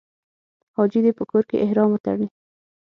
حاجي دې په کور کې احرام وتړي.